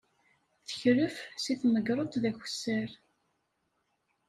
Tekref seg temgerḍt d akessar.